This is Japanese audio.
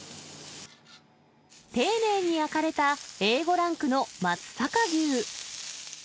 丁寧に焼かれた、Ａ５ランクの松阪牛。